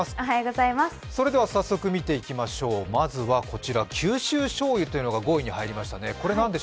それでは早速、見ていきましょう、まずはこちら、九州しょうゆというのが５位に入りましたね。